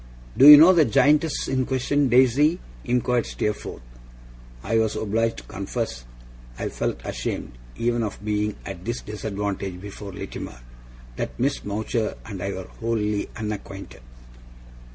'Do you know the Giantess in question, Daisy?' inquired Steerforth. I was obliged to confess I felt ashamed, even of being at this disadvantage before Littimer that Miss Mowcher and I were wholly unacquainted.